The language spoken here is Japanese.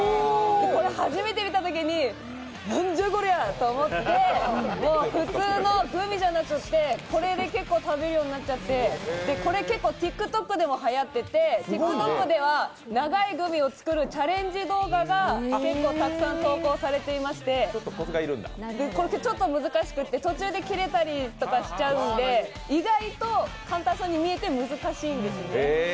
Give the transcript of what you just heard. これ初めて見たときに、なんじゃこりゃと思ってもう普通のグミじゃなくてこれで結構食べるようになっちゃって、これ、結構ＴｉｋＴｏｋでもはやっていてＴｉｋＴｏｋでは長いグミを作るチャレンジ動画がたくさん投稿されていましてちょっと難しくて途中で切れたりしちゃうので意外と簡単そうに見えて難しいんです。